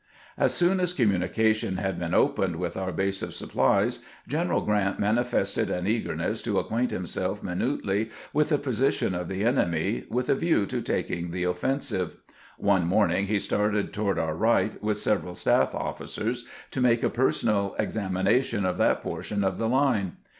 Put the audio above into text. As soon as communication had been opened with our base of supplies. General Grant manifested an eagerness to acquaint himself minutely with the position of the enemy, with a view to taking the offensive. One morn ing he started toward our right, with several staff officers, to make a personal examination of that portion of the line.